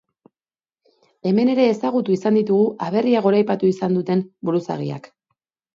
Hemen ere ezagutu izan ditugu aberria goraipatu izan duten buruzagiak.